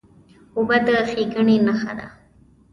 اوبه د ښېګڼې نښه ده.